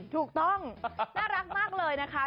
ถูกต้องน่ารักมากเลยนะคะ